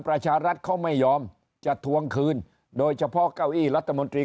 ประชารัฐเขาไม่ยอมจะทวงคืนโดยเฉพาะเก้าอี้รัฐมนตรี